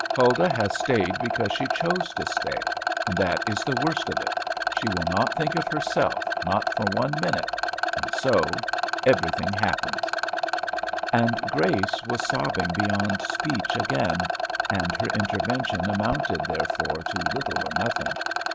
Huldah has stayed because she chose to stay; and that is the worst of it. She will not think of herself, not for one minute; and so everything happens." And Grace was sobbing beyond speech again; and her intervention amounted, therefore, to little or nothing.